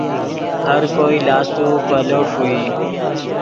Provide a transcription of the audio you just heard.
ہر کوئی لاست و پیلو ݰوئی